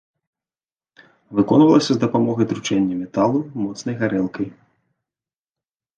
Выконвалася з дапамогай тручэння металу моцнай гарэлкай.